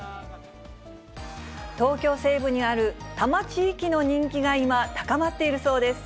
東京西部にある多摩地域の人気が今、高まっているそうです。